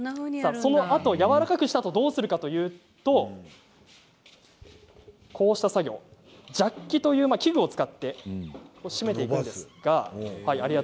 このあと、やわらかくしたあとどうするかといいますとジャッキという器具を使って締めていきます。